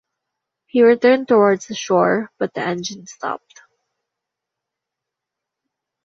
He returned towards the shore but the engine stopped.